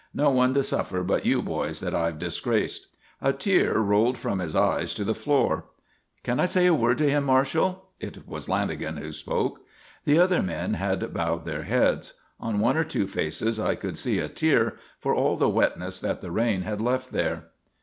No one to suffer but you boys that I've disgraced." A tear rolled from his eyes to the floor. "Can I say a word to him, Marshall?" It was Lanagan who spoke. The other men had bowed their heads. On one or two faces I could see a tear, for all the wetness that the rain had left there.